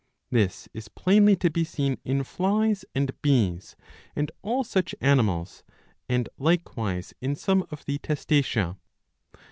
This is plainly to be seen in flies and bees and all such animals, and likewise in some of the Testacea.